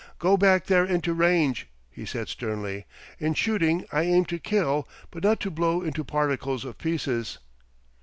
"Go back there into range," he said sternly. "In shooting I aim to kill, but not to blow into particles of pieces."